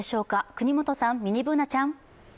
國本さん、ミニＢｏｏｎａちゃん。